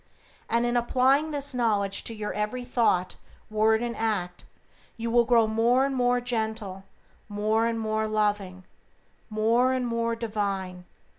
And in applying this knowledge to your every thought, word, and act, you will grow more and more gentle, more and more loving, more and more divine.